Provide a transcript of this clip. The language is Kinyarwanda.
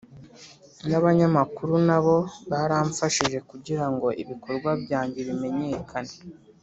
n’abanyamakuru na bo baramfashije kugira ngo ibikorwa byange bimenyekane